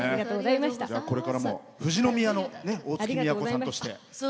これからも、富士宮の大月みやこさんとして。